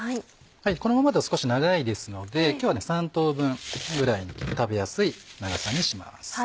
このままだと少し長いですので今日は３等分ぐらいに食べやすい長さにします。